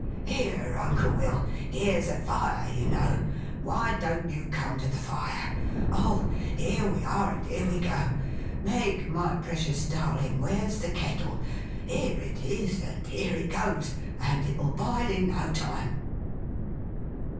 'Here, Uncle Will, here's a fire you know! Why don't you come to the fire? Oh here we are and here we go! Meg, my precious darling, where's the kettle? Here it is and here it goes, and it'll bile in no time!